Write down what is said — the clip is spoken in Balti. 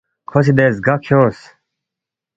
کھو سی دے زگہ کھیونگس